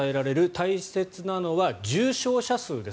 大切なのは重症者数です。